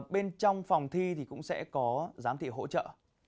bên trong phòng thi thì cũng sẽ có giám thị hỗ trợ